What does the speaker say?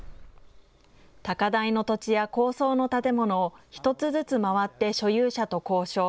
高台の土地や高層の建物を一つずつ回って所有者と交渉。